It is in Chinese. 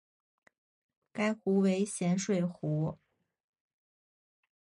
该湖为咸水湖。